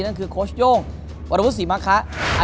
นั่นคือโคชโย่งวรรพุษศรีมะคะ